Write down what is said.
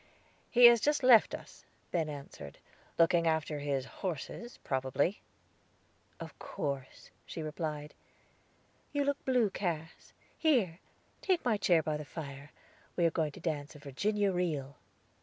"He has just left us," Ben answered; "looking after his horses, probably." "Of course," she replied. "You look blue, Cass. Here, take my chair by the fire; we are going to dance a Virginia reel."